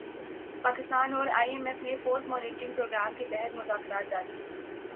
پاکستان اور I M F میں post monitoring programme کے تحت مذاکرات جاری